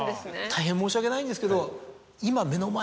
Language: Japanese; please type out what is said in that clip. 大変申し訳ないんですけど今。